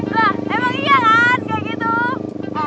wah emang iya kan kayak gitu